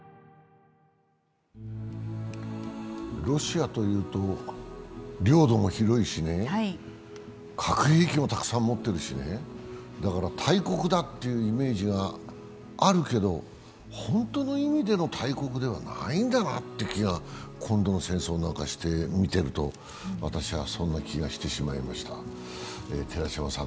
ロシアというと領土も広いし核兵器もたくさん持っているしだから大国だというイメージがあるけど、本当の意味での大国ではないんだなという気が、今度の戦争を見ていると私はそんな気がしてしまいました。